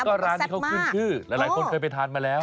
แล้วก็ร้านนี้เขาขึ้นชื่อหลายคนเคยไปทานมาแล้ว